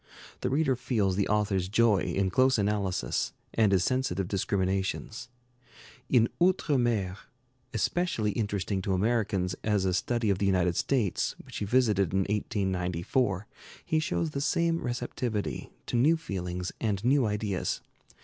The reader feels the author's joy in close analysis, and his sensitive discriminations. In 'Outre Mer,' especially interesting to Americans as a study of the United States, which he visited in 1894, he shows the same receptivity to new feelings and new ideas.